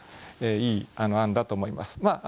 いい案だと思います。